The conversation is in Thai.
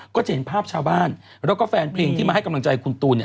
ก็จะเห็นภาพชาวบ้านแล้วก็แฟนเพลงที่มาให้กำลังใจคุณตูนเนี่ย